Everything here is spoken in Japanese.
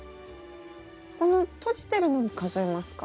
この閉じてるのも数えますか？